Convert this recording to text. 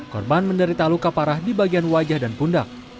korban menderita luka parah di bagian wajah dan pundak